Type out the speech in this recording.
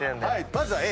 まずはＡ。